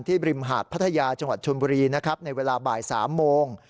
ที่บริมหาดพัทยาจังหวัดชนบุรีในเวลาบ่าย๓โมง